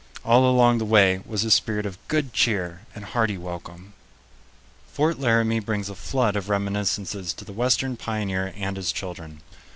All along the way was a spirit of good cheer and hearty welcome. Fort Laramie brings a flood of reminiscences to the western pioneer and his children.